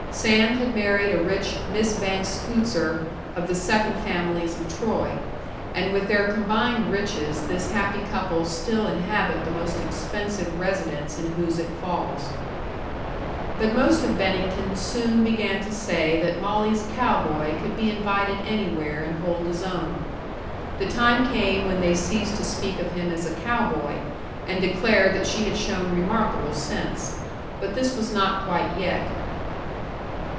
Sam had married a rich Miss Van Scootzer, of the second families of Troy; and with their combined riches this happy couple still inhabit the most expensive residence in Hoosic Falls. But most of Bennington soon began to say that Molly's cow boy could be invited anywhere and hold his own. The time came when they ceased to speak of him as a cow boy, and declared that she had shown remarkable sense. But this was not quite yet.